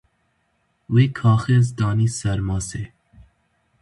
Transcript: Wî kaxiz danî ser masê.